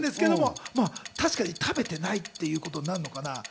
確かに食べてないっていうことになるのかな？